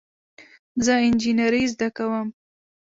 زه انجینری زده کوم